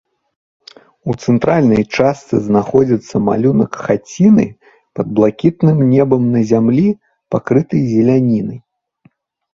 У цэнтральнай частцы знаходзіцца малюнак хаціны пад блакітным небам на зямлі, пакрытай зелянінай.